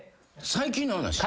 最近の話？